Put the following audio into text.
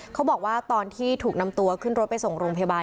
เขาบอกว่าตอนที่ถูกนำตัวขึ้นรถไปส่งโรงพยาบาล